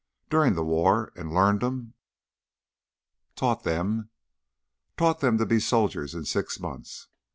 " during the war, and learned 'em " "Taught them!" " taught them to be soldiers in six months.